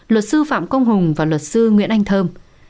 luật sư phạm công hùng và luật sư nguyễn anh thơm